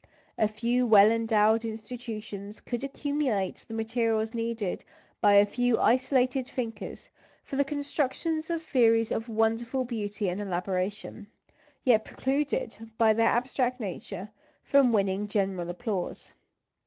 A few well endowed institutions could accumulate the materials needed by a few isolated thinkers for the construction of theories of wonderful beauty and elaboration, yet precluded, by their abstract nature, from winning general applause.